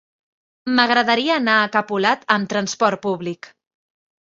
M'agradaria anar a Capolat amb trasport públic.